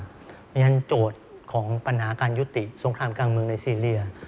เพราะฉะนั้นโจทย์ของปัญหาการยุติสงครามกลางเมืองในซีเรีย